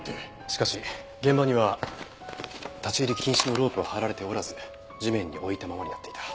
しかし現場には立ち入り禁止のロープは張られておらず地面に置いたままになっていた。